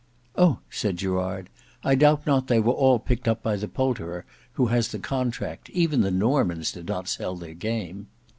"Oh!" said Gerard, "I doubt not they were all picked up by the poulterer who has the contract: even the Normans did not sell their game."